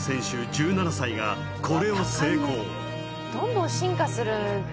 １７歳がこれを成功